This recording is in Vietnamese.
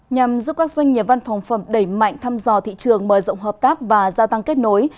nhằm giúp các doanh nghiệp văn phòng phẩm đẩy mạnh thăm dò thị trường mở rộng hợp tác và gia tăng kết nối